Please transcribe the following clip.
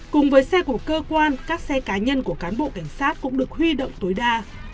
cùng với xe của cơ quan các xe cá nhân của cán bộ cảnh sát cũng được huy động tối đa